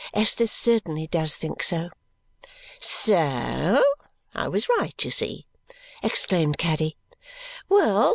"Esther certainly does think so." "So I was right, you see!" exclaimed Caddy. "Well!